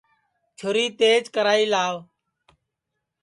چھُری تیج کرائی لاوَ